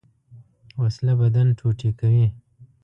وسله بدن ټوټې کوي